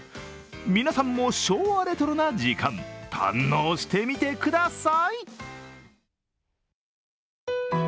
皆さんも昭和レトロな時間、堪能してみてください。